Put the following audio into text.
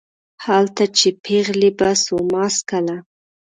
هلته چې پېغلې به سوما څکله